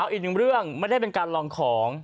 อีกหนึ่งเรื่องไม่ได้เป็นการลองของ